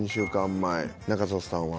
中里さんは？